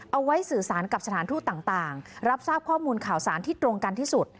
เอาไว้สื่อสารกับสถานทูตต่างรับทราบข้อมูลข่าวสารที่ตรงกันที่สุด